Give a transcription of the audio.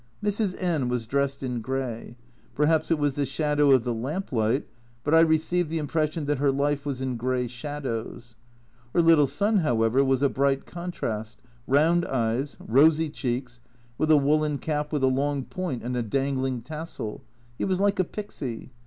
Mrs. N was dressed in grey : perhaps it was (c 128) R 242 A Journal from Japan the shadow of the lamplight, but I received the impression that her life was in grey shadows. Her little son, however, was a bright contrast round eyes, rosy cheeks, with a woollen cap with a long point and a dangling tassel he was like a pixy.